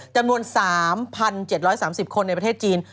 จำนวน๓๗๓๐คนในประเทศจีน